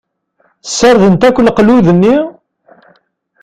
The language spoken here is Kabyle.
Sardent akk leqlud-nni?